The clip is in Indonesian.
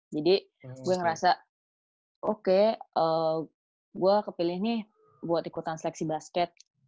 gue ngerasa oke gue kepilih nih buat ikutan seleksi basket